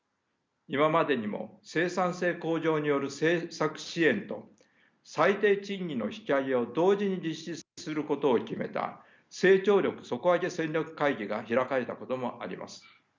今までにも生産性向上による政策支援と最低賃金の引き上げを同時に実施することを決めた成長力底上げ戦略会議が開かれたこともあります。